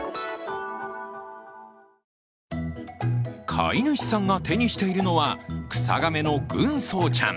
飼い主さんが手にしているのはクサガメの軍曹ちゃん。